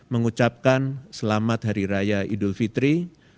mengucapkan selamat hari raya idul fitri